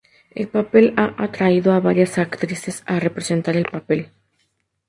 El papel ha atraído a varias actrices a representar el papel.